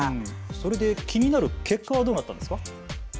それで気になる結果はどうだったんですか。